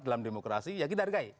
dalam demokrasi ya kita hargai